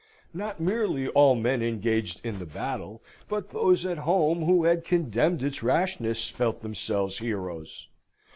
Not merely all men engaged in the battle, but those at home who had condemned its rashness, felt themselves heroes.